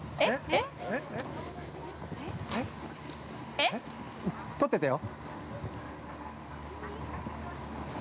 えっ？◆撮っててよ。